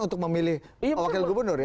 untuk memilih wakil gubernur ya